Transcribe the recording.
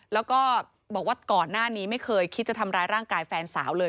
แล้วก็บอกว่าก่อนหน้านี้ไม่เคยคิดจะทำร้ายร่างกายแฟนสาวเลย